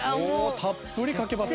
たっぷりかけますね。